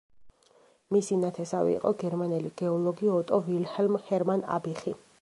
მისი ნათესავი იყო გერმანელი გეოლოგი ოტო ვილჰელმ ჰერმან აბიხი.